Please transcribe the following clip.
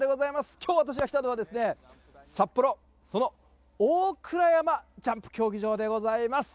きょう私が来たのは、札幌、その大倉山ジャンプ競技場でございます。